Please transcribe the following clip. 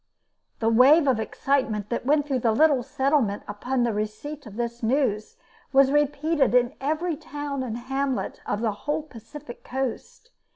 The wave of excitement that went through the little settlement upon the receipt of this news was repeated in every town and hamlet of the whole Pacific Coast.